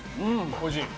おいしい？